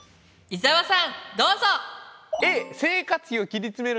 伊沢さんどうぞ！